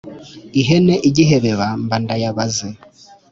ihene igihebeba mba ndaybaze